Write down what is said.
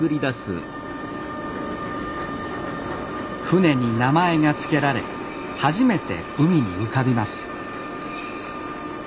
船に名前が付けられ初めて海に浮かびます